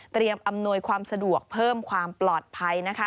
อำนวยความสะดวกเพิ่มความปลอดภัยนะคะ